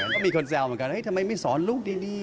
ก็มีคนแซวเหมือนกันทำไมไม่สอนลูกดี